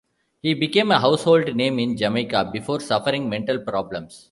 He became a household name in Jamaica, before suffering mental problems.